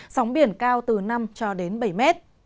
sóng biển cao từ năm bảy m